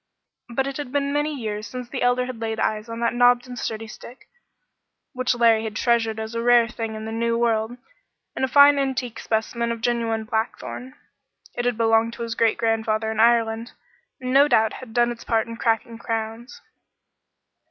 But it had been many years since the Elder had laid eyes on that knobbed and sturdy stick, which Larry had treasured as a rare thing in the new world, and a fine antique specimen of a genuine blackthorn. It had belonged to his great grandfather in Ireland, and no doubt had done its part in cracking crowns.